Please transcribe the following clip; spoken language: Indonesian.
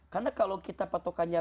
karena kalau kita patok aja